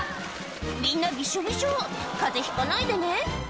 みんなびしょびしょ風邪ひかないでね